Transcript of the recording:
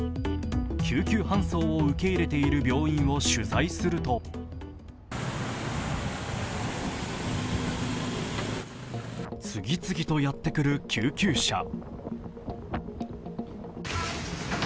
救急搬送を受け入れている病院を取材すると次々とやってくる救急車。